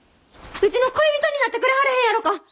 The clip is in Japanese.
うちの恋人になってくれはれへんやろか？